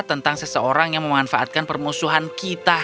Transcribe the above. tentang seseorang yang memanfaatkan permusuhan kita